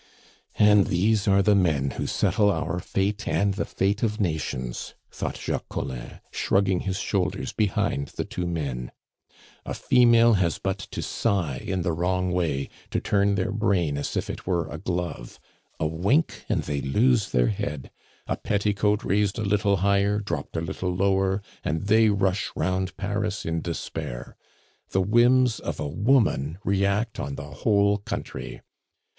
"And these are the men who settle our fate and the fate of nations," thought Jacques Collin, shrugging his shoulders behind the two men. "A female has but to sigh in the wrong way to turn their brain as if it were a glove! A wink, and they lose their head! A petticoat raised a little higher, dropped a little lower, and they rush round Paris in despair! The whims of a woman react on the whole country.